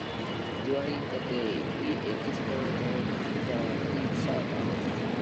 During the day, we explored the island and visited some incredible landmarks.